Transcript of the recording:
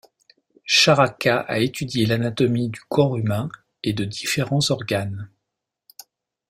Charaka a étudié l’anatomie du corps humain et de différents organes.